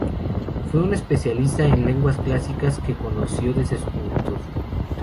Fue un especialista en lenguas clásicas, que conoció desde su juventud.